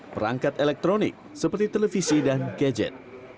perangkat elektronik seperti televisi dan gadget